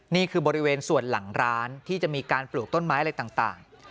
นี่คือบริเวณส่วนหลังร้านที่จะมีการปลูกต้นไม้อะไรต่าง